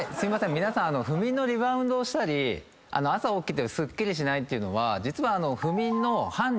不眠のリバウンドをしたり朝起きてすっきりしないっていうのは実は。